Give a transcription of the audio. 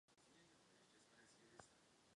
Motor byl zavěšen pružně na loži z ocelových trubek.